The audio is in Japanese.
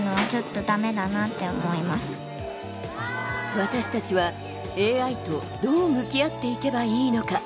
私たちは、ＡＩとどう向き合っていけばいいのか。